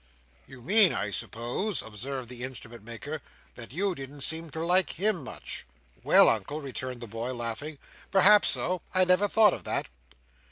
"You mean, I suppose," observed the Instrument maker, "that you didn't seem to like him much?" "Well, Uncle," returned the boy, laughing. "Perhaps so; I never thought of that."